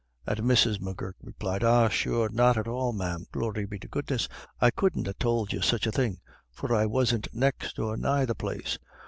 And Mrs. M'Gurk replied, "Ah, sure, not at all, ma'am, glory be to goodness. I couldn't ha' tould you such a thing, for I wasn't next or nigh the place.